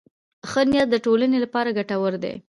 ښه نیت د ټولنې لپاره ګټور دی.